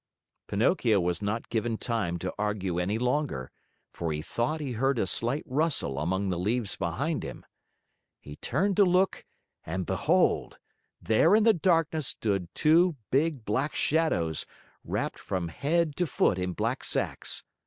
.." Pinocchio was not given time to argue any longer, for he thought he heard a slight rustle among the leaves behind him. He turned to look and behold, there in the darkness stood two big black shadows, wrapped from head to foot in black sacks.